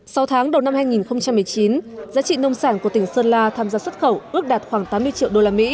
sau tháng đầu năm hai nghìn một mươi chín giá trị nông sản của tỉnh sơn la tham gia xuất khẩu ước đạt khoảng tám mươi triệu usd